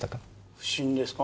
不審ですか？